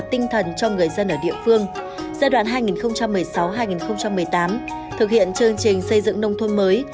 trong quá trình thực hiện chương trình xây dựng nông thôn mới